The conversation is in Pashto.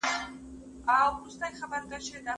ده د شخړو د حل لپاره د خبرو او تفاهم له لارې هڅې وکړې.